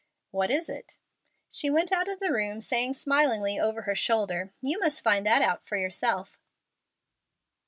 "What is it?" She went out of the room, saying smilingly over her shoulder, "You must find that out for yourself."